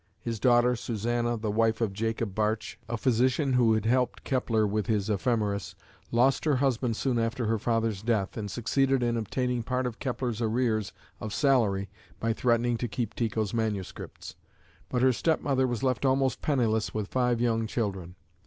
His daughter, Susanna, the wife of Jacob Bartsch, a physician who had helped Kepler with his Ephemeris, lost her husband soon after her father's death, and succeeded in obtaining part of Kepler's arrears of salary by threatening to keep Tycho's manuscripts, but her stepmother was left almost penniless with five young children.